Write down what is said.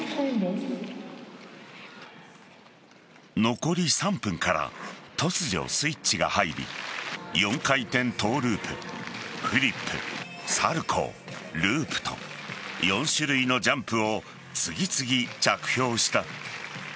残り３分から突如スイッチが入り４回転トゥループ、フリップサルコウ、ループと４種類のジャンプを次々着氷した。